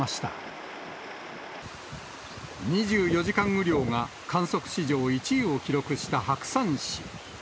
雨量が観測史上１位を記録した白山市。